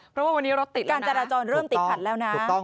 เพราะว่าวันนี้รถติดแล้วนะถูกต้องการจราจรเริ่มติดผ่านแล้วนะ